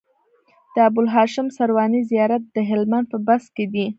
د ابوالهاشم سرواني زيارت د هلمند په بست کی دی